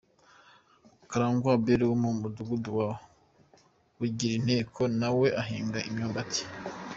Karangwa Abel wo mu mudugudu wa Bugirinteko na we ahinga imyumbati.